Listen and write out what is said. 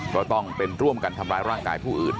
ก็ต้องเป็นร่วมกันทำร้ายร่างกายผู้อื่น